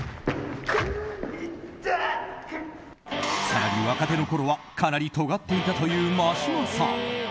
更に若手のころはかなりとがっていたという眞島さん。